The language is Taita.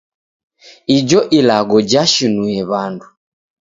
Ijo ilagho jashinue w'andu.